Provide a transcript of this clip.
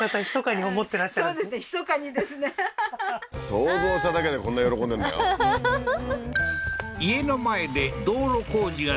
想像しただけでこんな喜んでんだよふふ